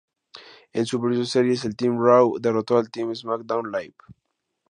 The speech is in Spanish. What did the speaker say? En Survivor Series, el Team Raw derrotó al Team SmackDown Live.